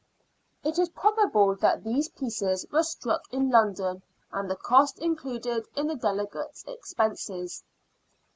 It is probable that these pieces were struck in London, and the cost included in the delegates' expenses.